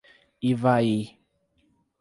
Ivaí